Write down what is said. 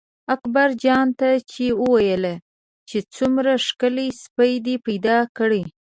اکبرجان ته یې وویل چې څومره ښکلی سپی دې پیدا کړی.